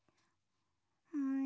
うん？